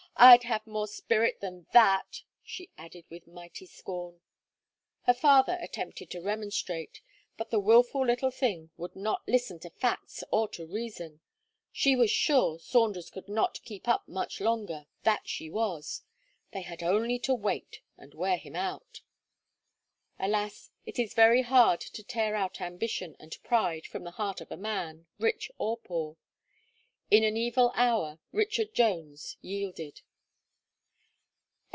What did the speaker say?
I'd have more spirit than that," she added with mighty scorn. Her father attempted to remonstrate; but the wilful little thing would not listen to facts or to reason. She was sure Saunders could not keep up much longer that she was. They had only to wait, and wear him out. Alas! it is very hard to tear out ambition and pride from the heart of man, rich or poor. In an evil hour, Richard Jones yielded.